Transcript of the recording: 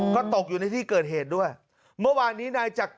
ก็ตกอยู่ในที่เกิดเหตุด้วยเมื่อวานนี้นายจักร